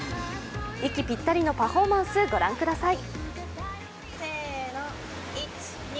息ぴったりのパフォーマンス御覧ください。